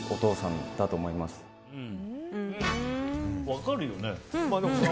分かるよね。